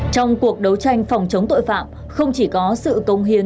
trong cuộc đấu tranh phòng chống tội phạm không chỉ có sự công hiến